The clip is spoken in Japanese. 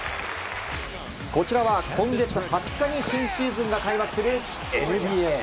こちらは今月２０日に新シーズンが再開するＮＢＡ。